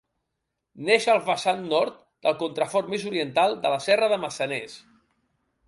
Neix al vessant nord del contrafort més oriental de la Serra de Maçaners.